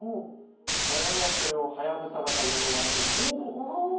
我々はそれを「はやぶさ型ナノマシン」って呼んでるんですけど。